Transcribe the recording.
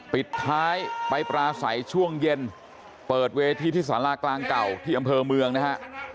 ปิดท้ายไปปราศัยช่วงเย็นเปิดเวทีที่สารากลางเก่าที่อำเภอเมืองนะฮะ